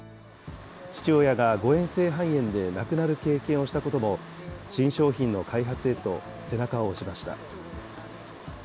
父親が誤えん性肺炎で亡くなる経験をしたことも、新商品の開発へと背中を押しました。